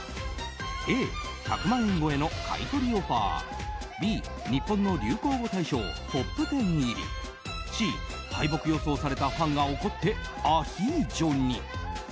Ａ、１００万円超えの買い取りオファーＢ、日本の流行語大賞トップテン入りＣ、敗北予想されたファンが怒ってアヒージョに。